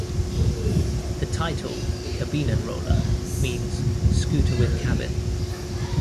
The title "Kabinenroller" means "scooter with cabin".